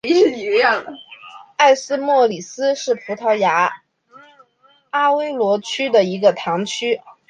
埃斯莫里斯是葡萄牙阿威罗区的一个堂区。